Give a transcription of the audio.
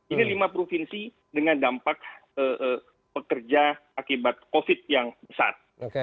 ini lima provinsi dengan dampak pekerja akibat covid yang besar